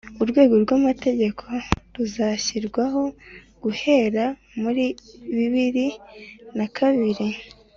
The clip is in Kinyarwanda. urwego rw'amategeko ruzashyirwaho guhera muri bibiri na kabiri